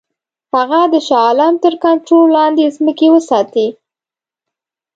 هغه د شاه عالم تر کنټرول لاندي ځمکې وساتي.